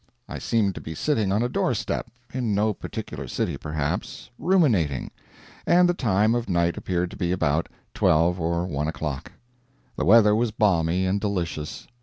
I seemed to be sitting on a doorstep (in no particular city perhaps) ruminating, and the time of night appeared to be about twelve or one o'clock. The weather was balmy and delicious.